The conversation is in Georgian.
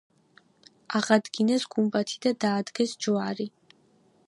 აღადგინეს გუმბათი და დაადგეს ჯვარი.